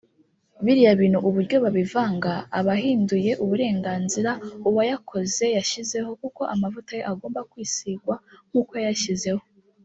biriya bintu uburyo babivanga abahinduye uburenganzira uwayakoze yashyizeho kuko amavuta ye agomba kwisigwa nkuko yayashyizeho